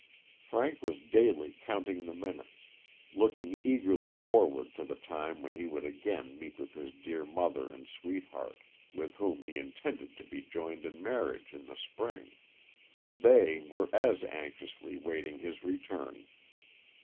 Frank was daily counting the minutes, looking eagerly forward to the time when he would again meet with his dear mother and sweetheart, with whom he intended to be joined in marriage in the spring, and they were as anxiously wait ing his return.